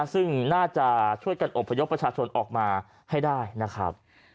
ซึ่งน่าจะช่วยกันอบพยพประชาชนออกมาให้ได้นะครับ